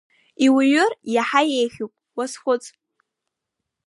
Иуҩыр иаҳа еиӷьуп, уазхәыц!